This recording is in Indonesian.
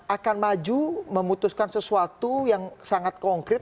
akan maju memutuskan sesuatu yang sangat konkret